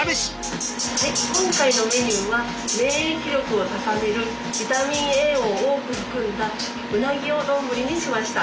はい今回のメニューは免疫力を高めるビタミンＡを多く含んだうなぎを丼にしました。